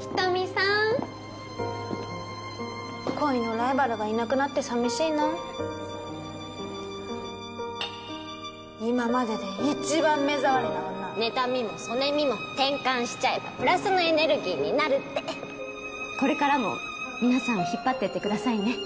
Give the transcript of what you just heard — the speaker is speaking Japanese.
人見さん恋のライバルがいなくなってさみしいな今までで一番目障りな女妬みもそねみも転換しちゃえばプラスのエネルギーになるってこれからも皆さんを引っ張っていってくださいね